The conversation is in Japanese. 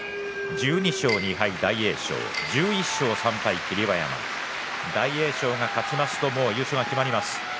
１２勝２敗、大栄翔１１勝３敗、霧馬山大栄翔が勝ちますと優勝が決まります。